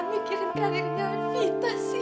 kok papa malah mikirin karirnya evita sih